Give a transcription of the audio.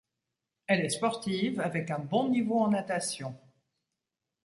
Elle est sportive, avec un bon niveau en natation.